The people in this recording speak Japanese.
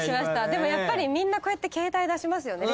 でもやっぱりみんなこうやって携帯出しますよね